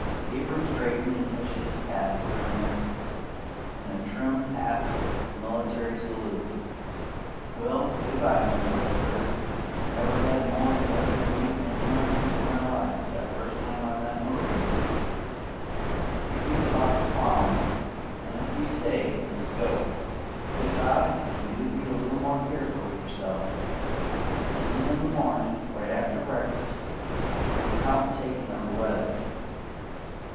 Abram straightened and touched his hat brim in a trim half military salute. "Well, good bye, Mr. Redbird. Never had more pleasure meetin' anybody in my life 'cept first time I met Maria. You think about the plowin', an', if you say `stay,' it's a go! Good bye; an' do be a little more careful o' yourself. See you in the mornin', right after breakfast, no count taken o' the weather."